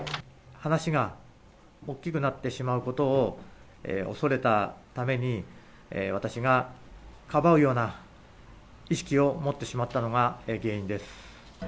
話が大きくなってしまうことを恐れたために、私がかばうような意識を持ってしまったのが原因です。